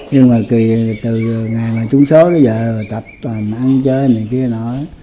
nhưng mà từ ngày mà trúng vé số tới giờ tập toàn ăn chơi này kia nọ